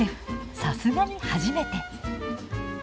さすがに初めて。